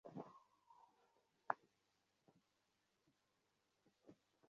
আপনি আমার অপেক্ষা সকল বিষয়েই অনেক ভালো বুঝেন।